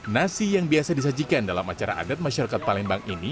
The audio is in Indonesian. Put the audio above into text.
nasi yang biasa disajikan dalam acara adat masyarakat palembang ini